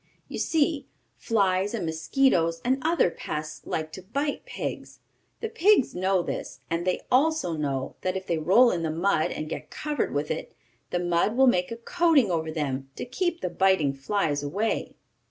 You see flies and mosquitoes and other pests like to bite pigs. The pigs know this, and they also know that if they roll in the mud, and get covered with it, the mud will make a coating over them to keep the biting flies away.